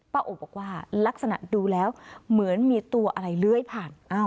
โอบบอกว่าลักษณะดูแล้วเหมือนมีตัวอะไรเลื้อยผ่าน